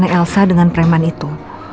karena elsa dengan preman itu